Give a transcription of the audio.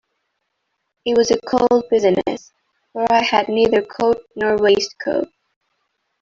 It was a cold business, for I had neither coat nor waistcoat.